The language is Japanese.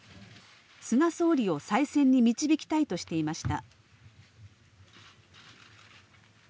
菅総理を再選に導きたいとしていました。